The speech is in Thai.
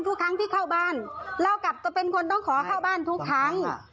ทุกครั้งที่เข้าบ้านเรากลับจะเป็นคนต้องขอเข้าบ้านทุกครั้ง